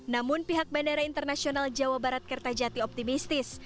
namun pihak bandara internasional jawa barat kertajati optimistis